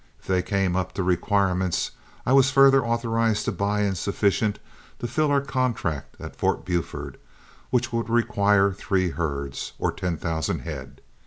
If they came up to requirements, I was further authorized to buy in sufficient to fill our contract at Fort Buford, which would require three herds, or ten thousand head.